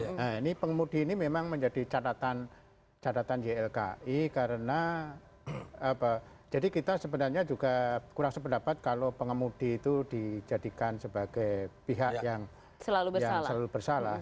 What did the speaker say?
nah ini pengemudi ini memang menjadi catatan ylki karena jadi kita sebenarnya juga kurang sependapat kalau pengemudi itu dijadikan sebagai pihak yang selalu bersalah